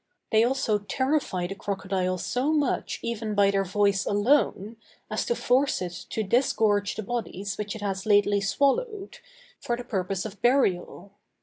They also terrify the crocodile so much even by their voice alone, as to force it to disgorge the bodies which it has lately swallowed, for the purpose of burial.